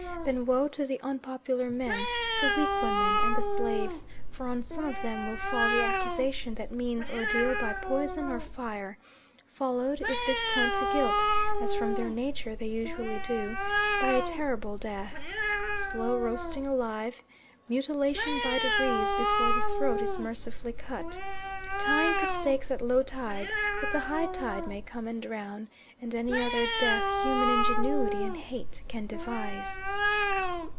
Then woe to the unpopular men, the weak women, and the slaves; for on some of them will fall the accusation that means ordeal by poison, or fire, followed, if these point to guilt, as from their nature they usually do, by a terrible death: slow roasting alive mutilation by degrees before the throat is mercifully cut tying to stakes at low tide that the high tide may come and drown and any other death human ingenuity and hate can devise.